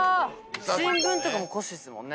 新聞とかも古紙ですもんね。